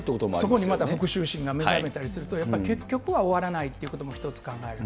そこにまた復しゅう心が目覚めたりすると、やっぱり結局は終わらないということも一つ考えられる。